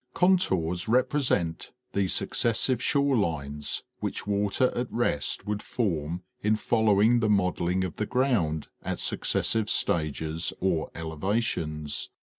Contours represent the successive shore lines which water at rest would form in following the modelling of the ground at successive stages or elevations.